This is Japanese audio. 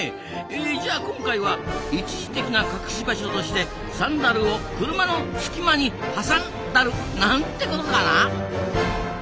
じゃあ今回は一時的な隠し場所としてサンダルを車の隙間にはさんだるなんてことかな。